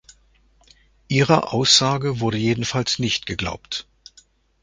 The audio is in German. Ihrer Aussage wurde jedenfalls nicht geglaubt.